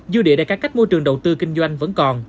dư địa để cải cách môi trường đầu tư kinh doanh vẫn còn